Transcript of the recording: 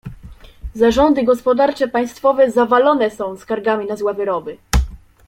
"Zarządy gospodarcze państwowe zawalone są skargami na złe wyroby."